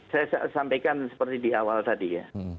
saya sampaikan seperti di awal tadi ya